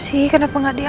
suara anak menduduk